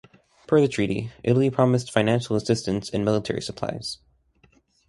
Per the Treaty, Italy promised financial assistance and military supplies.